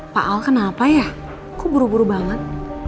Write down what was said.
pak al kenapa ya kok buru buru banget